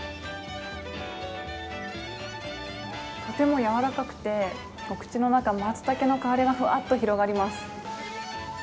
とてもやわらかくて、口の中、まつたけの香りがふわっと広がります。